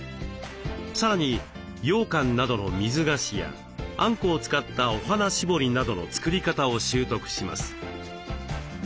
さらにようかんなどの水菓子やあんこを使ったお花絞りなどの作り方を習得します。